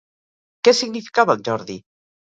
Què significava el Jordi?